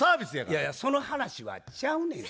いやいやその話はちゃうねん。